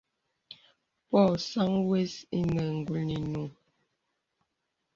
Pɔ̄ɔ̄ sàŋ wə̀s inə ngùl inùŋ.